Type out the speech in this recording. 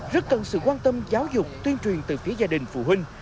rất cần sự quan tâm giáo dục tuyên truyền từ phía gia đình phụ huynh